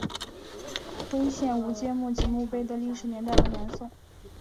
徽县吴玠墓及墓碑的历史年代为南宋。